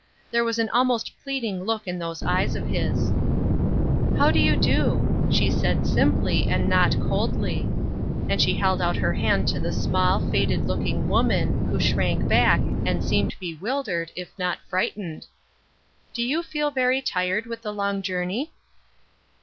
There was an almost pleading look in those eyes of his. " How do you do ?" she said, simply, and not coldly ; and she held out her hand to the small, faded looking woman, who shrank back, and seemed bewildered, if not frightened. " Do you feel very tired with the long joiu ney